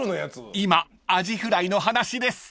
［今アジフライの話です］